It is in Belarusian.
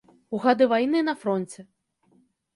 У гады вайны на фронце.